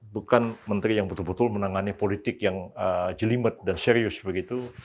bukan menteri yang betul betul menangani politik yang jelimet dan serius begitu